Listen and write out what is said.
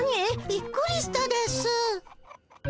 びっくりしたですぅ。